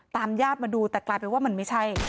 ญาติมาดูแต่กลายเป็นว่ามันไม่ใช่